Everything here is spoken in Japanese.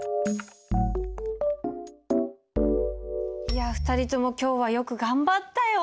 いや２人とも今日はよく頑張ったよ。